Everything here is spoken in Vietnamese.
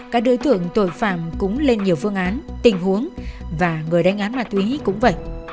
các đối tượng tội phạm cũng lên nhiều phương án tình huống và người đánh án ma túy cũng vậy